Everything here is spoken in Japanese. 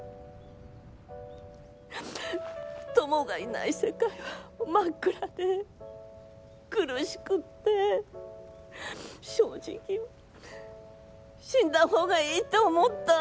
トモがいない世界は真っ暗で苦しくって正直、死んだ方がいいと思った。